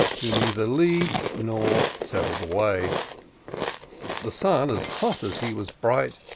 Who neither lead, nor tell the way. The Sun, as hot as he was bright.